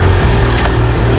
aku mau pergi ke rumah